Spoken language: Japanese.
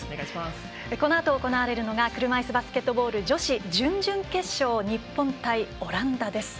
このあと、行われるのが車いすバスケットボール女子準々決勝日本対オランダです。